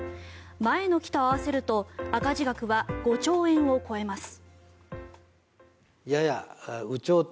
前の期と合わせると赤字額は５兆円を超えます。